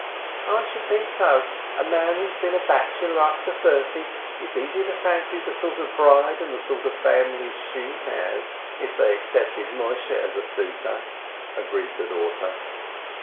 "I should think so, a man who's been a bachelor up to thirty! It's easy to fancy the sort of bride, and the sort of family she has, if they accepted Moisheh as a suitor," agreed the daughter.